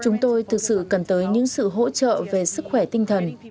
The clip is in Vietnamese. chúng tôi thực sự cần tới những sự hỗ trợ về sức khỏe tinh thần